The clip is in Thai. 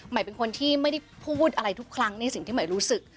เป็นคนที่ไม่ได้พูดอะไรทุกครั้งในสิ่งที่ใหม่รู้สึก